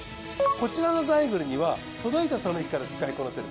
こちらのザイグルには届いたその日から使いこなせる